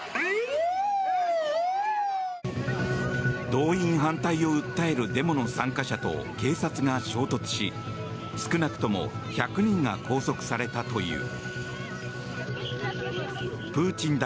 動員反対を訴えるデモの参加者と警察が衝突し少なくとも１００人が拘束されたという。